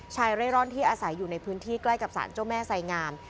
เร่ร่อนที่อาศัยอยู่ในพื้นที่ใกล้กับสารเจ้าแม่ไสงาม